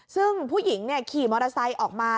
ซึ่งผู้หญิงขี่มอเตอร์ไซค์ออกมา